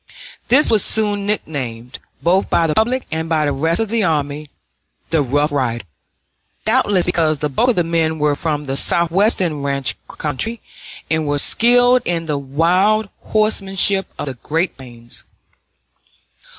This was soon nicknamed, both by the public and by the rest of the army, the Rough Riders, doubtless because the bulk of the men were from the Southwestern ranch country and were skilled in the wild horsemanship of the great plains.